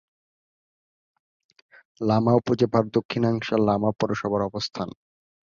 লামা উপজেলার দক্ষিণাংশে লামা পৌরসভার অবস্থান।